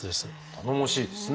頼もしいですね。